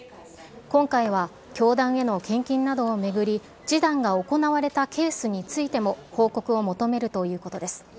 今回は、教団への献金などを巡り、示談が行われたケースについても報告を求めるということです。